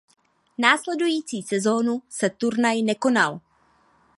Následující sezónu se turnaj nekonal.